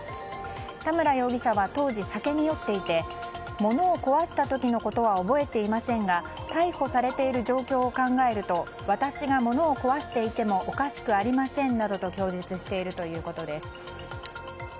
田村容疑者は当時、酒に酔っていて物を壊した時のことは覚えていませんが逮捕されている状況を考えると私が物を壊していてもおかしくありませんなどと供述しているということです。